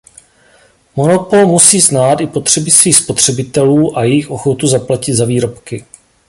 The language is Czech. Monopol musí znát i potřeby svých spotřebitelů a jejich ochotu zaplatit za výrobky.